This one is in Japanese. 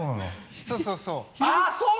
そうそうそう。